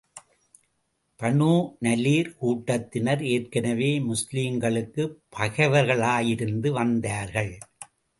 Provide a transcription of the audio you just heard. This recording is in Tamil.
பனூ நலீர் கூட்டத்தினர் ஏற்கனவே, முஸ்லிம்களுக்குப் பகைவர்களாயிருந்து வந்தார்கள்.